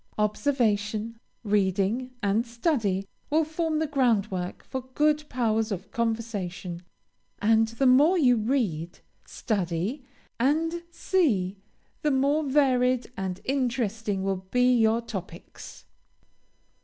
Observation, reading, and study, will form the groundwork for good powers of conversation, and the more you read, study, and see, the more varied and interesting will be your topics.